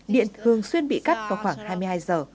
điện thường xuyên bị cắt vào khoảng hai mươi hai giờ